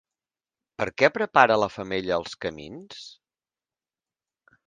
Per a què prepara la femella els camins?